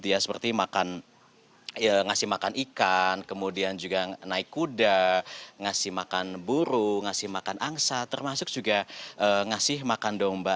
dia seperti ngasih makan ikan kemudian juga naik kuda ngasih makan burung ngasih makan angsa termasuk juga ngasih makan domba